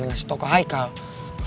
yang ngasih tau ke hayo